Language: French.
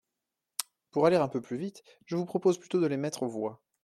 Pour aller un peu plus vite, je vous propose plutôt de les mettre aux voix.